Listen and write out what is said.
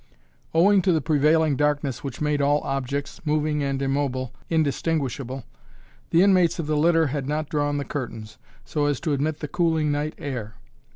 Owing to the prevailing darkness which made all objects, moving and immobile, indistinguishable, the inmates of the litter had not drawn the curtains, so as to admit the cooling night air.